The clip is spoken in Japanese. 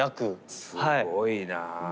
すごいな。